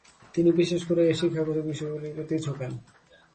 তিনি বিশেষ করে এর শিক্ষাগত বিষয়গুলির প্রতি ঝোঁকেন।